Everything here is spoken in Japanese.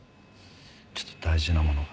ちょっと大事なものが。